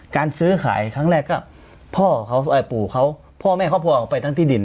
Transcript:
การซื้อขายครั้งแรกก็พ่อเขาปู่เขาพ่อแม่เขาพอออกไปทั้งที่ดิน